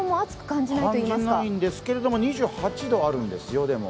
感じないんですけれども、２８度あるんですよ、今。